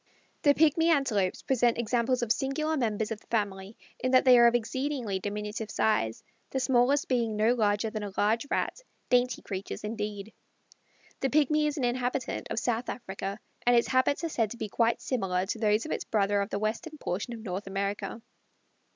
The Pigmy Antelopes present examples of singular members of the family, in that they are of exceedingly diminutive size, the smallest being no larger than a large Rat, dainty creatures indeed. The Pigmy is an inhabitant of South Africa, and its habits are said to be quite similar to those of its brother of the western portion of North America.